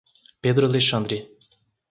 Pedro Alexandre